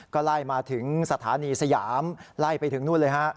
ก็ไล่มาถึงสถานีสยามไล่ไปถึงนู่นเลยฮะ